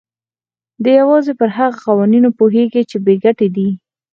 دی يوازې پر هغو قوانينو پوهېږي چې بې ګټې دي.